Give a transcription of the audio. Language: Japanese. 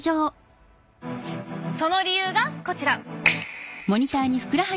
その理由がこちら！